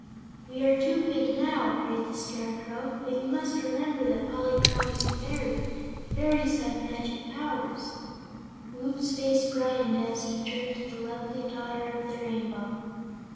"We are too big now," agreed the Scarecrow, "but you must remember that Polychrome is a fairy, and fairies have many magic powers." Woot's face brightened as he turned to the lovely Daughter of the Rainbow.